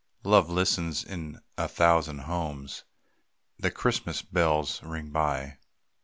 Love listens in a thousand homes, The Christmas bells ring by.